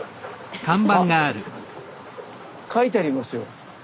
あっ書いてありますよ